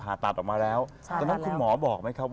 ไข้แหวนเราถึงแอบภาษาตาลออกมาแล้ว